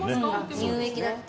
乳液だって。